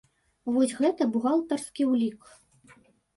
Вось, гэта бухгалтарскі ўлік!